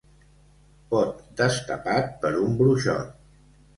Pot destapat per un bruixot.